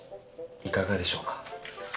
いかがでしょうか？